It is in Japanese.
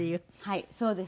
はいそうです。